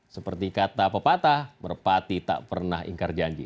seperti kata pepatah merpati tak pernah ingkar janji